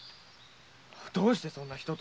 どうしてそんな人と。